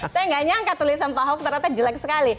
saya nggak nyangka tulisan pak ahok ternyata jelek sekali